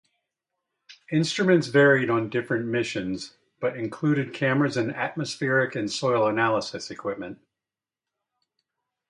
Instruments varied on different missions, but included cameras and atmospheric and soil analysis equipment.